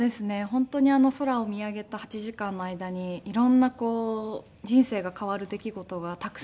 本当に空を見上げた８時間の間に色んな人生が変わる出来事がたくさん起きて。